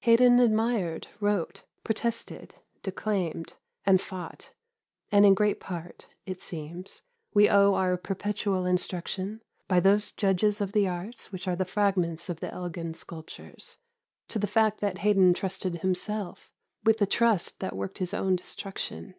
Haydon admired, wrote, protested, declaimed, and fought; and in great part, it seems, we owe our perpetual instruction by those judges of the Arts which are the fragments of the Elgin sculptures, to the fact that Haydon trusted himself with the trust that worked his own destruction.